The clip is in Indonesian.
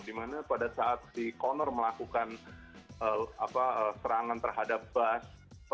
dimana pada saat si connor melakukan serangan terhadap bas